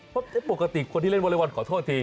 ความปกติคนที่เล่นวอเลบอลขอโทษน้ำที